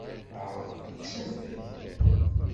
Teɛreq deg usafag.